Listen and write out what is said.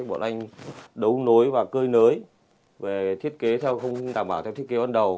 bọn anh đấu nối và cơi nới về thiết kế theo không đảm bảo theo thiết kế ban đầu